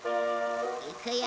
いくよ！